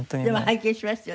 拝見しましたよ。